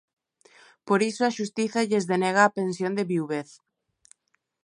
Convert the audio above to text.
Por iso a xustiza lles denega a pensión de viuvez.